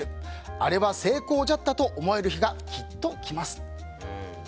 あれは成功じゃったと思える日がきっと来ます。